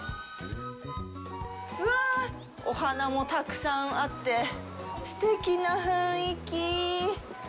うわあ、お花もたくさんあってすてきな雰囲気。